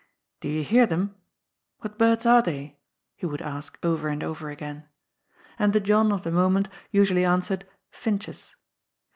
"Do you hear them?" "What birds are they? " he would ask over and over again. And the John of the moment usually answered : Finches.